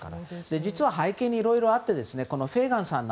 実は背景にいろいろあってフェイガンさん